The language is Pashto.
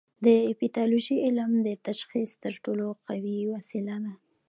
د پیتالوژي علم د تشخیص تر ټولو قوي وسیله ده.